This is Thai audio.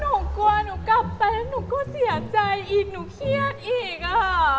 หนูกลัวหนูกลับไปแล้วหนูก็เสียใจอีกหนูเครียดอีกอะค่ะ